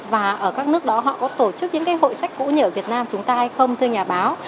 và ở các nước đó họ có tổ chức những cái hội sách cũ như ở việt nam chúng ta hay không thưa nhà báo